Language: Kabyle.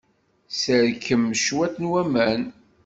Sserkem cwiṭ n waman.